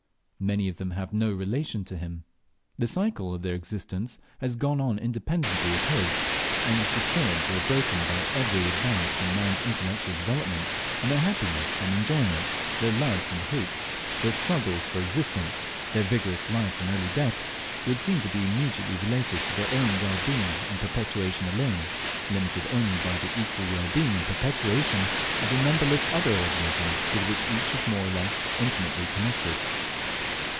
Many of them have no relation to him. The cycle of their existence has gone on independently of his, and is disturbed or broken by every advance in man's intellectual development; and their happiness and enjoyment, their loves and hates, their struggles for existence, their vigorous life and early death, would seem to be immediately related to their own well being and perpetuation alone, limited only by the equal well being and perpetuation of the numberless other organisms with which each is more or less intimately connected.